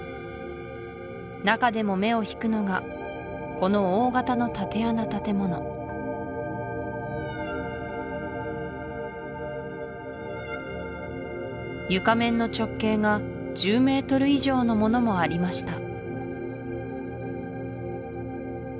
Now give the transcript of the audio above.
中でも目をひくのがこの大型の竪穴建物床面の直径が１０ｍ以上のものもありました